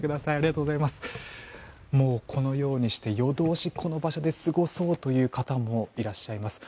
このようにして夜通しこの場所で過ごそうという方もいらっしゃいます。